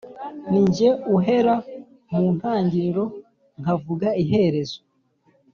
Ni jye uhera mu ntangiriro nkavuga iherezo